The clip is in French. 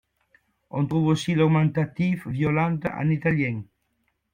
On trouve aussi l'augmentatif Violante en italien.